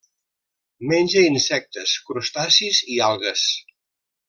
Menja insectes, crustacis i algues.